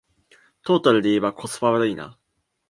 トータルでいえばコスパ悪いな